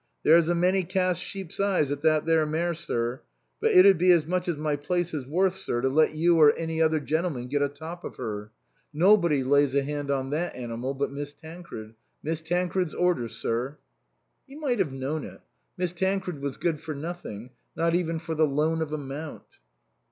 " There's a many casts sheep's eyes at that there mare, sir; but it 'ud be as much as my place is worth, sir, to let you or any other gentle 40 INLAND man get atop of her. Nobody lays a 'and on that annymal but Miss Tancred. Miss Tancred's orders, sir." He might have known it. Miss Tancred was good for nothing, not even for the loan of a mount.